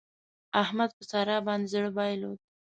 احمد په سارا باندې زړه بايلود.